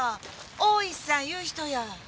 大石さんいう人や。